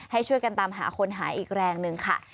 ให้ช่วยกันตามหาคนหายอีกแรงหนึ่งค่ะ